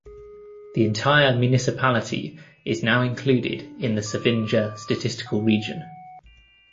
The entire municipality is now included in the Savinja Statistical Region.